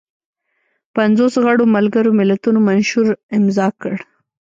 پنځوس غړو ملګرو ملتونو منشور امضا کړ.